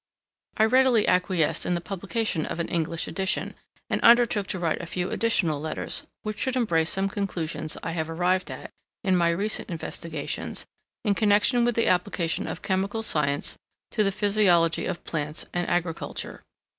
I readily acquiesced in the publication of an English edition, and undertook to write a few additional Letters, which should embrace some conclusions I have arrived at, in my recent investigations, in connection with the application of chemical science to the physiology of plants and agriculture.